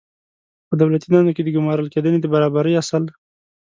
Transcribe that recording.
په دولتي دندو کې د ګمارل کېدنې د برابرۍ اصل